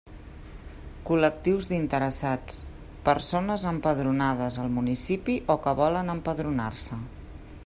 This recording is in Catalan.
Col·lectius d'interessats: persones empadronades al municipi o que volen empadronar-se.